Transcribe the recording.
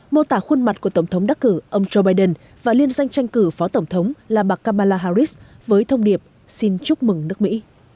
mô tả khuôn mặt của tổng thống đắc cử ông joe biden và liên danh tranh cử phó tổng thống là bà kamala harris với thông điệp xin chúc mừng nước mỹ